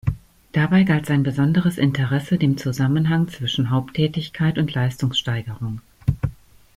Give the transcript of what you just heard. Dabei galt sein besonderes Interesse dem Zusammenhang zwischen Haupttätigkeit und Leistungssteigerung.